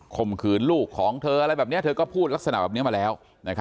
มขืนลูกของเธออะไรแบบนี้เธอก็พูดลักษณะแบบนี้มาแล้ว